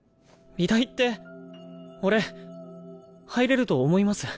美大って俺入れると思います？